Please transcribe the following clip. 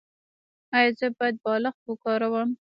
ایا زه باید بالښت وکاروم؟